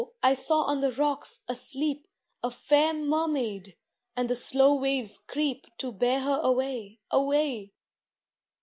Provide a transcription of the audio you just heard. I saw on the rocks, asleep, A fair mermaid, and the slow waves creep To bear her away, away.